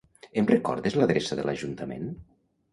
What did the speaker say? Em recordes l'adreça de l'Ajuntament?